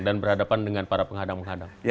dan berhadapan dengan para penghadang penghadang